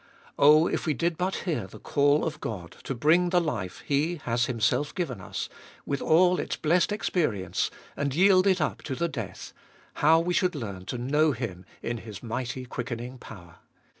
Oh, if we did but hear the call of God to bring the life He has Himself given us, with all its blessed 452 abe Doltest of Bll experience, and yield it up to the death, how we should learn to know Him in His mighty quickening power.